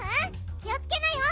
気をつけなよ。